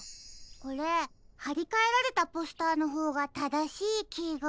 これはりかえられたポスターのほうがただしいきが。